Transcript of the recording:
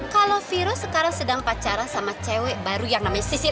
kalau viroh sekarang sedang pacaran sama cewek baru yang namanya sisil itu